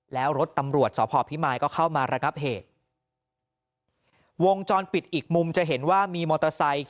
แล้วรถตำรวจสพพิมายก็เข้ามาระงับเหตุวงจรปิดอีกมุมจะเห็นว่ามีมอเตอร์ไซค์